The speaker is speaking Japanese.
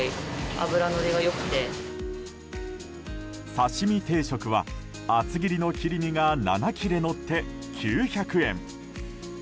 刺身定食は厚切りの切り身が７切れのって、９００円。